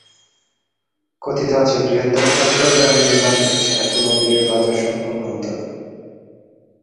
কথিত আছে বৃহত্তর চট্টগ্রামে এই মার্কেট ছাড়া কোন বিয়ের বাজার সম্পন্ন হতো না।